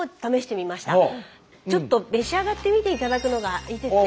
ちょっと召し上がってみて頂くのがいいですね。